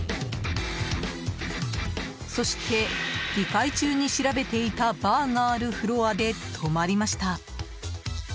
そして、議会中に調べていたバーがあるフロアで止まりました。